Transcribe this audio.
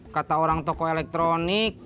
kata orang toko elektronik